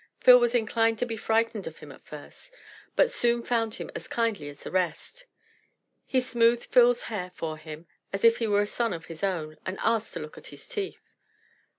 Phil was inclined to be frightened of him at first, but soon found him as kindly as the rest. He smoothed Phil's hair for him as if he were a son of his own, and asked to look at his teeth.